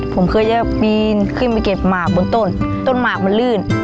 ผมเคยจะปีนขึ้นไปเก็บหมากบนต้นต้นหมากมันลื่น